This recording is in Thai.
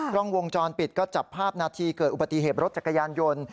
กล้องวงจรปิดก็จับภาพนาทีเกิดอุบัติเหตุรถจักรยานยนต์